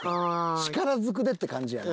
力ずくでって感じやな。